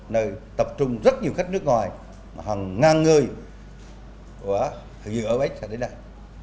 nơi tập trung rất nhiều khách nước ngoài hàng ngàn người dự apec sẽ đến đây